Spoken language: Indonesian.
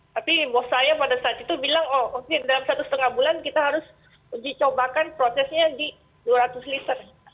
tapi bos saya pada saat itu bilang oh oke dalam satu setengah bulan kita harus uji cobakan prosesnya di dua ratus liter